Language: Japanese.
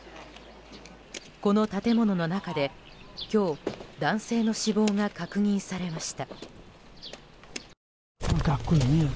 この建物の中で今日男性の死亡が確認されました。